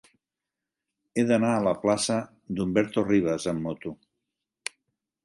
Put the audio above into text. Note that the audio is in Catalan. He d'anar a la plaça d'Humberto Rivas amb moto.